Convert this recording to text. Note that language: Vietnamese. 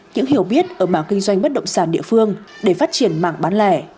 những hiểu biết ở bảng kinh doanh bất động sản địa phương để phát triển mảng bán lẻ